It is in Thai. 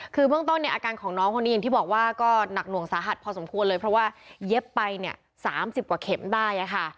คือเบื้องต้นเนี่ยอาการของน้องคนนี้อย่างที่บอกว่าก็หนักหน่วงสาหัสพอสมควรเลยเพราะว่าเย็บไปเนี่ย๓๐กว่าเข็มได้ค่ะ